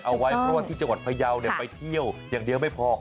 เอาไว้เพราะว่าที่จังหวัดพยาวไปเที่ยวอย่างเดียวไม่พอ